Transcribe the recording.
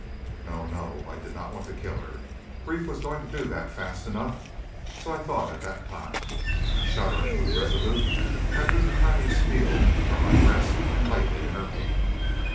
"No, no; I did not want to kill her. Grief was doing that fast enough; so I thought at that time. Shuddering, but resolute, I drew the tiny steel from my breast and laid it in her hand.